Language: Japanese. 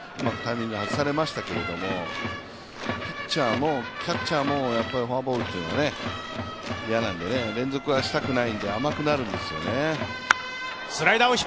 変化球がうまくタイミング外されましたけれども、ピッチャーもキャッチャーもフォアボールというのは嫌なので、連続はしたくないんで甘くなるんですよね。